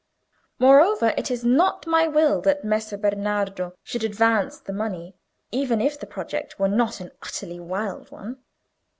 "Moreover, it is not my will that Messer Bernardo should advance the money, even if the project were not an utterly wild one.